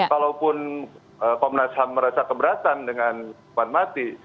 kalaupun komnas ham merasa keberatan dengan hukuman mati